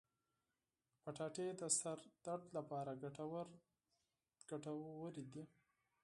کچالو د سر درد لپاره ګټور دی.